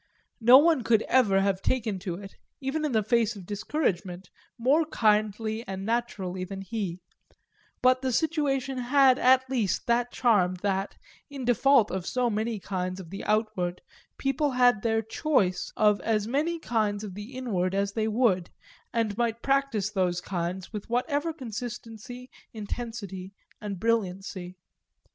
No one could ever have taken to it, even in the face of discouragement, more kindly and naturally than he; but the situation had at least that charm that, in default of so many kinds of the outward, people had their choice of as many kinds of the inward as they would, and might practise those kinds with whatever consistency, intensity and brilliancy.